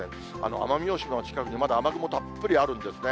奄美大島の近くにまだ雨雲たっぷりあるんですね。